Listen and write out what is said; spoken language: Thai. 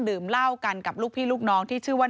ดื่มเหล้ากันกับลูกพี่ลูกน้องที่ชื่อว่า